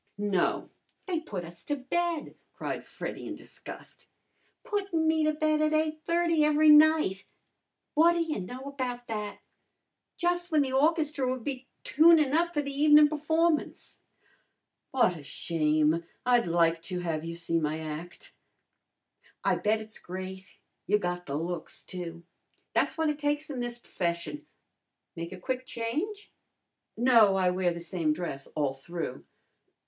"No, they put us to bed!" cried Freddy in disgust. "Puttin' me to bed at 8:30 every night! What ta y' know about that! Jus' w'en the orchestra would be tunin' up for the evenin' p'formance." "What a shame! I'd like to have you see my act." "I bet it's great. You got the looks, too. Tha's what it takes in this p'fession. Make a quick change?" "No, I wear the same dress all through."